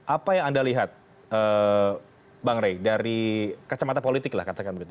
apa yang anda lihat bang rey dari kacamata politik lah katakan begitu